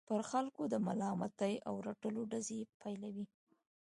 پر خلکو د ملامتۍ او رټلو ډزې پيلوي.